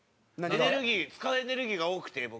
エネルギー使うエネルギーが多くて僕。